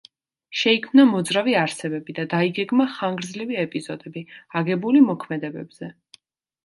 შეიქმნა მოძრავი არსებები და დაიგეგმა ხანგრძლივი ეპიზოდები, აგებული მოქმედებებზე.